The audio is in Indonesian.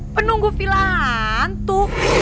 penunggu villa hantu